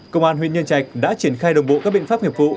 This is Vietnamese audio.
công an huyện nhân trạch đã triển khai đồng bộ các biện pháp nghiệp vụ